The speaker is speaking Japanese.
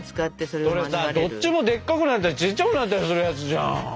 それどっちもでっかくなったりちっちゃくなったりするやつじゃん！